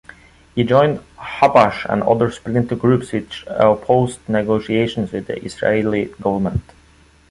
He joined Habash and other splinter groups which opposed negotiations with the Israeli government.